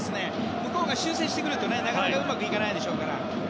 向こうが修正してくるとなかなかうまくいかないので。